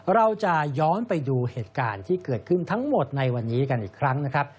เราจะย้อนไปดูเหตุการณ์ที่เกิดขึ้นทั้งหมดในวันนี้กันอีกครั้งนะครับ